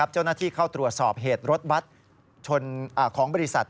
เจ้าหน้าที่เข้าตรวจสอบเหตุรถบัตรของบริษัท